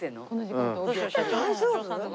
大丈夫？